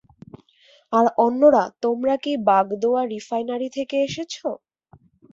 আর অন্যরা তোমরা কি বাগদোয়া রিফাইনারি থেকে এসেছো?